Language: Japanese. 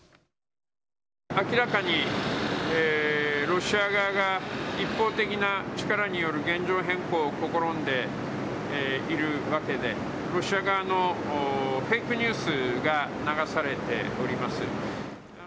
明らかにロシア側が、一方的な力による現状変更を試みているわけで、ロシア側のフェイクニュースが流されております。